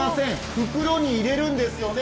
袋に入れるんですよね。